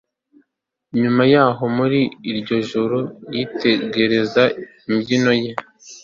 Nyuma yaho muri iryo joro yitegereza imbyino ye